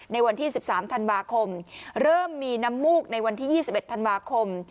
ในวันที่๑๓ธันวาคมเริ่มมีน้ำมูกในวันที่๒๑ธันวาคม